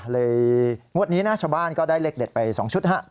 เลยงวดนี้ชาวบ้านก็ได้เล็กไป๒ชุด